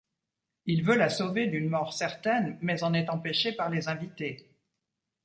Il veut la sauver d'une mort certaine, mais en est empêché par les invités.